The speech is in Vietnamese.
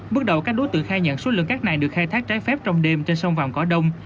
bước đầu các đối tượng khai nhận số lượng cát này được khai thác trái phép trong đêm trên sông vàm cỏ đông